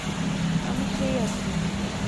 আমি সেই আছি!